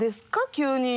急に。